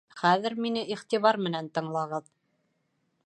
Хәҙер мине иғтибар менән тыңлағыҙ.